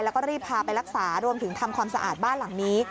แล้วก็รีบพาไปรักษารวมถึงทำความสะอาดบ้านหลังนี้